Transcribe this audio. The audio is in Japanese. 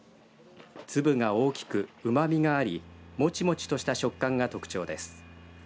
粒が大きくうまみがありもちもちとした食感が特徴です。